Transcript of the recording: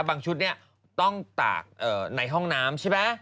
บางชุดเนี่ยต้องตากในห้องน้ำใช่ปะ